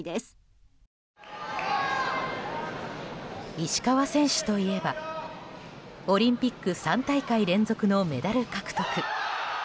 石川選手といえばオリンピック３大会連続のメダル獲得。